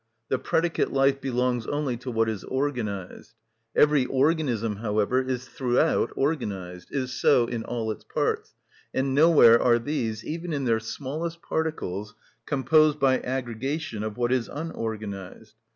The predicate life belongs only to what is organised. Every organism, however, is throughout organised, is so in all its parts; and nowhere are these, even in their smallest particles, composed by aggregation of what is unorganised.